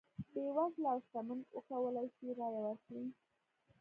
بېوزله او شتمن وکولای شي رایه ورکړي.